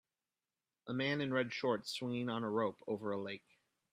A man in red shorts swinging on a rope over a lake